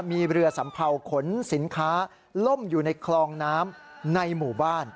มีเรือสัมเภาขนสินค้าล่มอยู่ในคลองน้ำในหมู่บ้าน